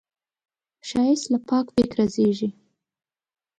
ښایست له پاک فکره زېږي